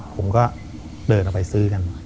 ผมก็เดินออกไปซื้อกัน